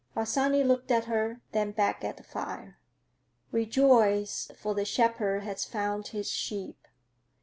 Harsanyi looked at her, then back at the fire. "Rejoice, for the Shepherd has found his sheep."